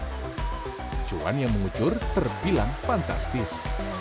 kecuan yang mengucur terbilang fantastis